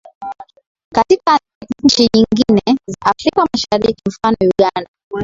katika nchi nyingine za afrika mashariki mfano uganda